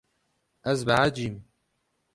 Ez behecîm.